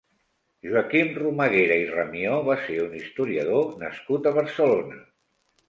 Joaquim Romaguera i Ramió va ser un historiador nascut a Barcelona.